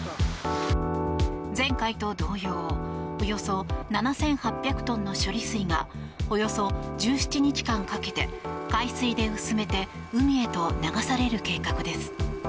前回と同様およそ７８００トンの処理水がおよそ１７日間かけて海水で薄めて海へと流される計画です。